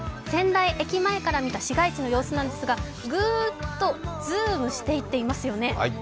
仙台駅前から見た市街地の様子なんですが、グーっとズームしていっていますよね。